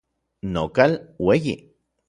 Nokal ueyi.